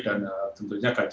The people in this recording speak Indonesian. dan tentunya kaya itu